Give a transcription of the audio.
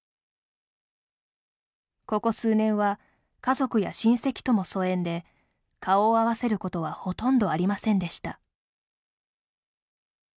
ここ数年は家族や親戚とも疎遠で顔を合わせることはほとんどありませんでした。